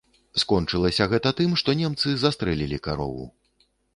Скончылася гэта тым, што немцы застрэлілі карову.